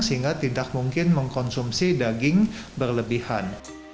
sehingga tidak mungkin mengkonsumsi daging berlebihan